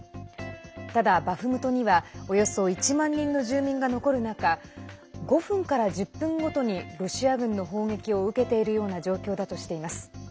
ただ、バフムトにはおよそ１万人の住民が残る中５分から１０分ごとにロシア軍の砲撃を受けているような状況だとしています。